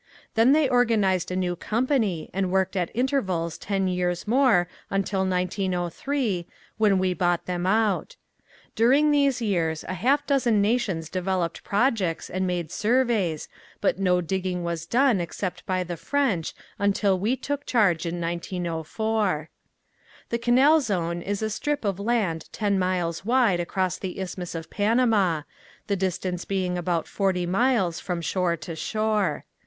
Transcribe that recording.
Then they organized a new company and worked at intervals ten years more until 1903, when we bought them out. During these years a half dozen nations developed projects and made surveys but no digging was done except by the French until we took charge in 1904. The Canal Zone is a strip of land ten miles wide across the Isthmus of Panama, the distance being about forty miles from shore to shore.